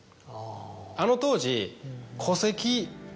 あの当時。